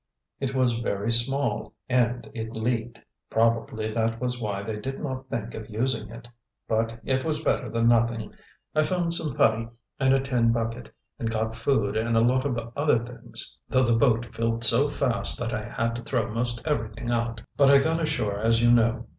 It was very small, and it leaked; probably that was why they did not think of using it. But it was better than nothing. I found some putty and a tin bucket, and got food and a lot of other things, though the boat filled so fast that I had to throw most everything out. But I got ashore, as you know.